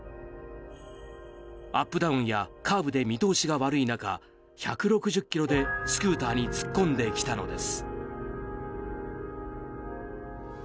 アップダウンやカーブで見通しが悪い中１６０キロでスクーターに突っ込んできたのです。